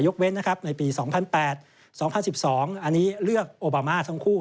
เว้นนะครับในปี๒๐๐๘๒๐๑๒อันนี้เลือกโอบามาทั้งคู่